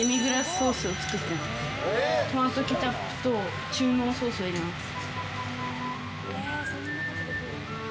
トマトケチャップと中濃ソースを入れました。